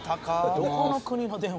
「どこの国の電話？」